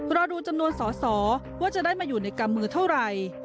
รอดูจำนวนสอสอว่าจะได้มาอยู่ในกำมือเท่าไหร่